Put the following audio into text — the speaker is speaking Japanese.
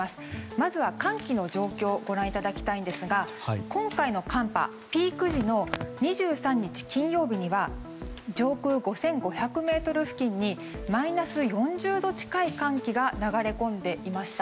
まずは寒気の状況をご覧いただきたいんですが今回の寒波、ピーク時の２３日金曜日には上空５５００ｍ付近にマイナス４０度近い寒気が流れ込んでいました。